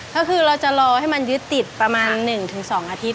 ก็คือเราจะรอให้มันยึดติดประมาณ๑๒อาทิตย